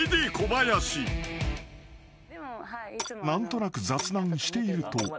［何となく雑談していると］